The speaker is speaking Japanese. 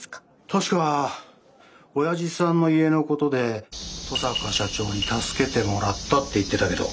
確かおやじさんの家のことで登坂社長に助けてもらったって言ってたけど。